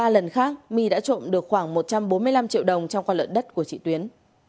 ba lần khác my đã trộm được khoảng một trăm bốn mươi năm triệu đồng trong con lợn đất của chị tuyến